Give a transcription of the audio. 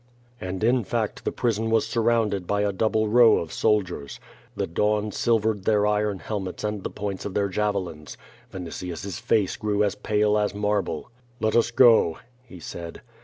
And in fact the prison was surrounded by a double row of soldiers. The dawn silvered their iron helmets and the points of their javelins Vinitius's face grew as pale as marble. "Let us go," he said.